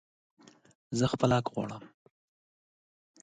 زه خپل حق غواړم